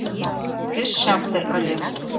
Пеш чапле ыле.